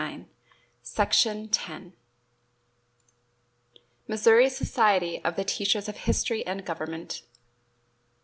The Victorian Era. MISSOURI SOCIETY OF TEACHERS OF HISTORY AND GOVERNMENT.